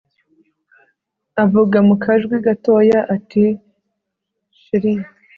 avuga mukajwi gatoya ati shr